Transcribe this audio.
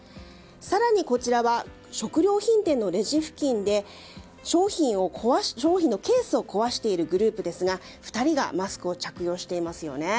更に、こちらは食料品店のレジ付近で商品のケースを壊しているグループですが２人がマスクを着用していますよね。